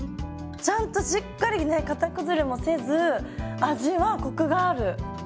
ちゃんとしっかりねかた崩れもせず味はコクがある。